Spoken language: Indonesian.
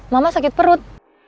mama sakit perut